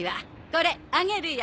これあげるよ。